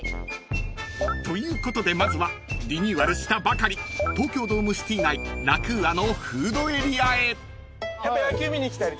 ［ということでまずはリニューアルしたばかり東京ドームシティ内ラクーアのフードエリアへ］